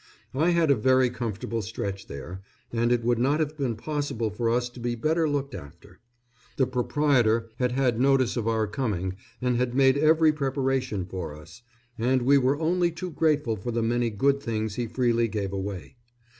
I had a very comfortable stretch there, and it would not have been possible for us to be better looked after. The proprietor had had notice of our coming and had made every preparation for us, and we were only too grateful for the many good things he freely gave away.